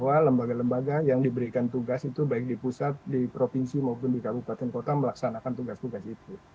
nah kemudian kita bisa melakukan tugas tugas yang lebih baik untuk penggunaan anak anak di pusat di provinsi maupun di kabupaten kota melaksanakan tugas tugas itu